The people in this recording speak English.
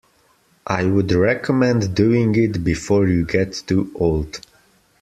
I would recommend doing it before you get too old.